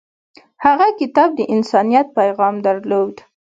هغه کتاب د انسانیت پیغام درلود.